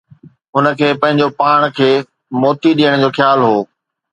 هن کي پنهنجو پاڻ کي موتي ڏيڻ جو خيال هو